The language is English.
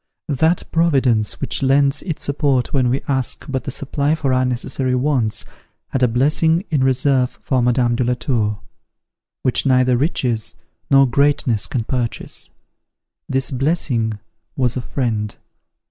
That Providence, which lends its support when we ask but the supply of our necessary wants, had a blessing in reserve for Madame de la Tour, which neither riches nor greatness can purchase: this blessing was a friend.